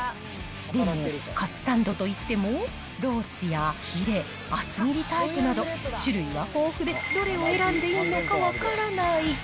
でも、カツサンドといっても、ロースやヒレ、厚切りタイプなど、種類は豊富で、どれを選んでいいのか分からない。